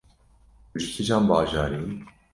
Tu ji kîjan bajarî yî?